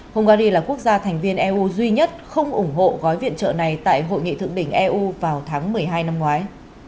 hungary là quốc gia thành viên eu duy nhất không ủng hộ gói viện trợ này tại hội nghị thượng đỉnh eu vào tháng một mươi hai năm ngoái